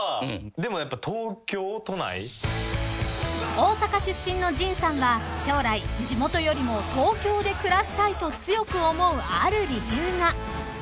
［大阪出身の陣さんは将来地元よりも東京で暮らしたいと強く思うある理由が］